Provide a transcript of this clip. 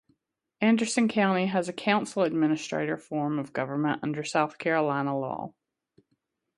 Anderson County has a Council-Administrator form of government under South Carolina law.